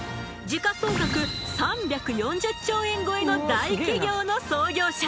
時価総額３４０兆円超えの大企業の創業者。